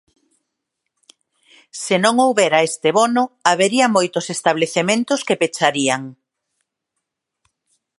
Se non houbera este bono, habería moitos establecementos que pecharían.